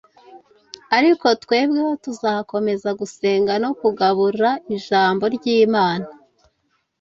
Ariko twebweho tuzakomeza gusenga no kugabura ijambo ry’Imana. ”